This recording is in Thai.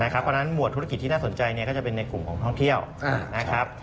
เพราะฉะนั้นหมวดธุรกิจที่น่าสนใจก็จะเป็นในกลุ่มของท่องเที่ยวนะครับ